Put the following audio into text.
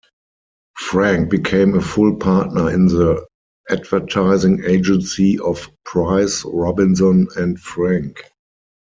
Frank became a full partner in the advertising agency of Price, Robinson and Frank.